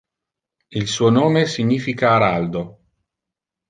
Il suo nome significa “araldo”.